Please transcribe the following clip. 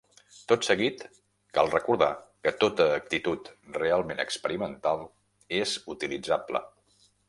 Tot seguit cal recordar que tota actitud realment experimental és utilitzable.